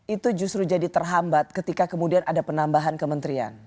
itu justru jadi terhambat ketika kemudian ada penambahan kementerian